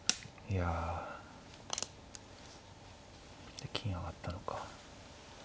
で金上がったのか。